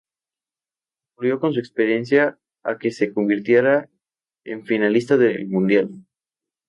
Contribuyó con su experiencia a que se convirtiera en finalista del Mundial.